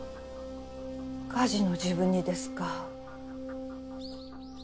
火事の時分にですか。